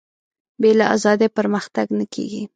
بې له ازادي پرمختګ نه کېږي.